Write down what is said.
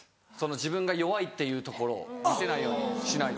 自分が弱いっていうところを見せないようにしないと。